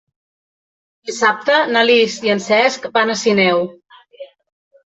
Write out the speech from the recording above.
Dissabte na Lis i en Cesc van a Sineu.